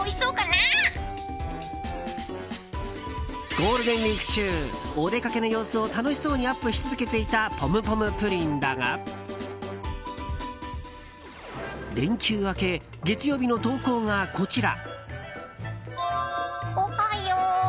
ゴールデンウィーク中お出かけの様子を楽しそうにアップし続けていたポムポムプリンだが連休明け、月曜日の投稿がこちら。